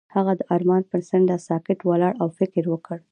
هغه د آرمان پر څنډه ساکت ولاړ او فکر وکړ.